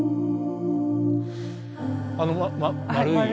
あの丸い。